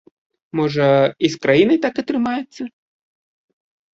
Можа, і з краінай так атрымаецца?